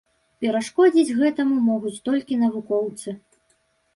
Перашкодзіць гэтаму могуць толькі навукоўцы.